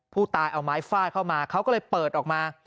ผู้ตายเอาไม้ฟาดเข้ามาเขาก็เลยเปิดออกมา